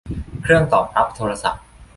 เครื่องตอบรับโทรศัพท์